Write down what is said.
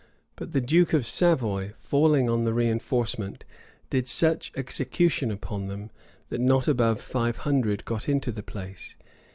But the duke of Savoy, falling on the reënforcement, did such execution upon them, that not above five hundred got into the place.